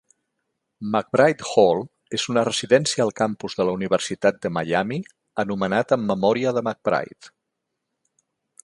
McBride Hall és una residència al campus de la Universitat de Miami anomenat en memòria de McBride.